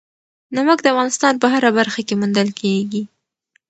نمک د افغانستان په هره برخه کې موندل کېږي.